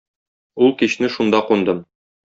Ул кичне шунда кундым.